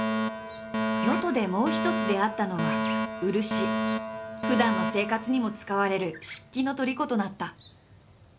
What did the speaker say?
能登でもう一つ出会ったのはふだんの生活にも使われる漆器のとりことなった。